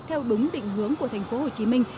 theo đúng định hướng của thành phố hồ chí minh